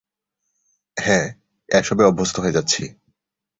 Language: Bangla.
হ্যাঁ, এসবে অভ্যস্ত হয়ে যাচ্ছি।